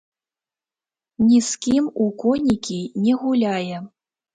Ні з кім у конікі не гуляе.